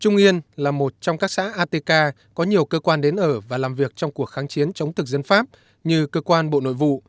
trung yên là một trong các xã atk có nhiều cơ quan đến ở và làm việc trong cuộc kháng chiến chống thực dân pháp như cơ quan bộ nội vụ